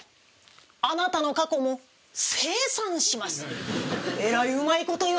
あなたの過去もせいさんします。